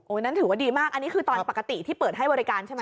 นั้นถือว่าดีมากอันนี้คือตอนปกติที่เปิดให้บริการใช่ไหม